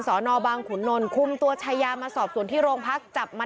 สอนอบางขุนนลคุมตัวชายามาสอบส่วนที่โรงพักจับมา